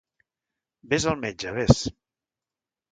Vés al metge, vés.